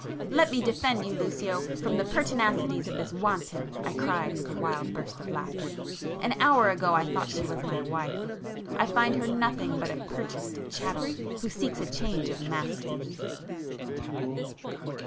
"Let me defend you, Lucio, from the pertinacities of this wanton!" I cried with a wild burst of laughter—"An hour ago I thought she was my wife,—I find her nothing but a purchased chattel, who seeks a change of masters!"